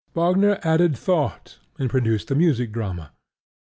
Wagner added thought and produced the music drama.